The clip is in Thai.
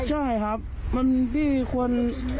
ใช่ครับมันพี่ควร